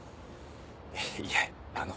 いやあの。